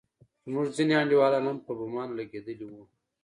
زموږ ځينې انډيولان هم په بمانو لگېدلي وو.